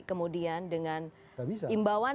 kemudian dengan imbauan